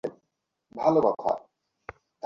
ঈশ্বর, ওটা আবার আসছে!